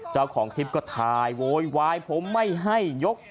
เจ้าของคลิปก็ถ่ายโวยวายผมไม่ให้ยก